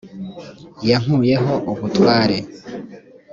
yankuyeho ubutware.